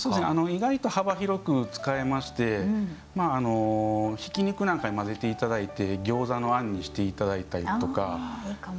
意外と幅広く使えましてひき肉なんかに混ぜていただいてギョーザのあんにしていただいたりとか。